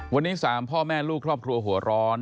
วันนี้๓พ่อแม่ลูกครอบครัวหัวร้อน